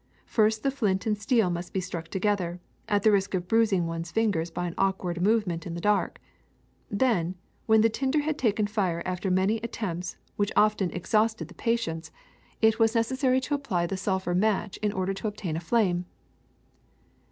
First the flint and steel must be struck together, at the risk of bruising one^s fingers by an awkw^ard movement in the dark; then, when the tinder had taken fire after many attempts which often exhausted the 109 110 THE SECRET OF EVERYDAY THINGS patience, it was necessary to apply the sulphur match in order to obtain a flame.''